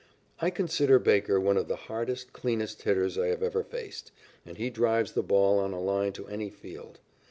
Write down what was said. I consider Baker one of the hardest, cleanest hitters I have ever faced, and he drives the ball on a line to any field.